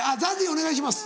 お願いします。